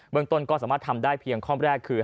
เมืองต้นก็สามารถทำได้เพียงข้อแรกคือ